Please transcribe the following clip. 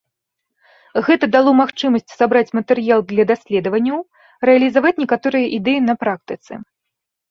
Гэта дало магчымасць сабраць матэрыял для даследаванняў, рэалізаваць некаторыя ідэі на практыцы.